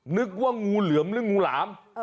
นึกว่างูเหลือมหรืองูหลาม